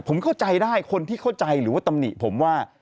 ผมเข้าใจได้คนที่เข้าใจหรือว่าตำหนิผมว่า